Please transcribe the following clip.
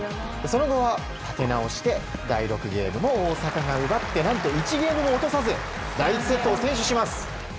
その後は立て直して第６ゲームも大坂が奪って何と１ゲームも落とさず第１セットを先取します。